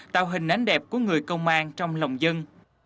tạo hình ảnh đẹp của người công an trong lòng dân